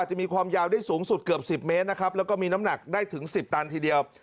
จะมีความยาวได้สูงสุดเกือบ๑๐เมตรนะครับแล้วก็มีน้ำหนักได้ถึง๑๐ตันทีเดียว